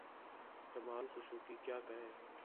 جمال Khashoggi… کیا کہیں؟